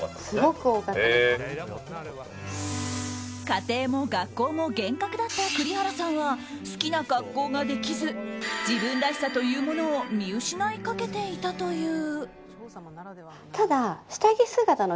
家庭も学校も厳格だった栗原さんは好きな格好ができず自分らしさというものを見失いかけていたという。